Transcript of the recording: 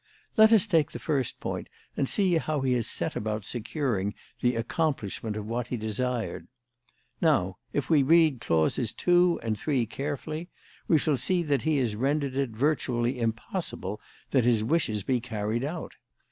Let us take the first point and see how he has set about securing the accomplishment of what he desired. Now, if we read clauses two and three carefully, we shall see that he has rendered it virtually impossible that his wishes can be carried out.